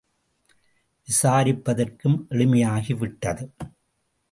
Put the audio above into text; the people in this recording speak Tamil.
விசாரிப்பதற்கும் எளிமையாகி விட்டது.